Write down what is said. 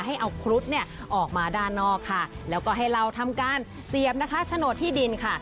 ให้เอาครุฑเนี่ยออกมาด้านนอกค่ะแล้วก็ให้เราทำการเสียบนะคะโฉนดที่ดินค่ะ